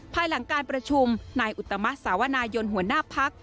ภายหลังการประชุมนายอุตมัติสาวนายนหัวหน้าพัก